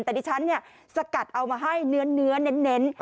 แต่ดิฉันสกัดเอามาให้เนื้อเน้น